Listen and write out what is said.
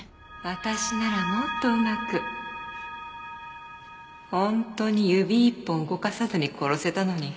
私ならもっとうまく本当に指一本動かさずに殺せたのに。